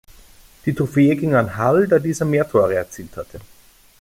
Die Trophäe ging an Hull, da dieser mehr Tore erzielt hatte.